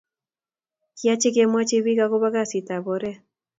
Kiyache kimwachi pik ako bo kasit oret